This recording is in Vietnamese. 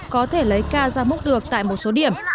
có thể lấy ca ra múc được tại một số điểm